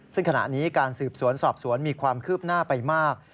ซึ่งขณะนี้การสืบสวนสอบสวนมีความคืบหน้าไปมาก